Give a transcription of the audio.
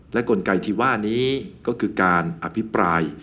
และกลไกที่ว่านี้ก็คือการอภิปราย